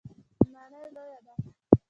ماڼۍ لویه ده.